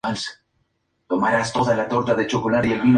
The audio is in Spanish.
Llevan el escudo de la cofradía en forma de escapulario metálico.